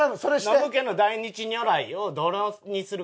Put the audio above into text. ノブ家の大日如来をどれにするか。